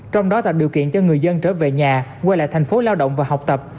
trong đó tạo điều kiện cho người dân trở về nhà quay lại thành phố lao động và học tập